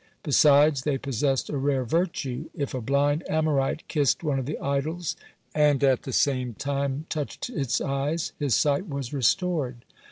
Besides, they possessed a rare virtue: if a blind Amorite kissed one of the idols, and at the same time touched its eyes, his sight was restored.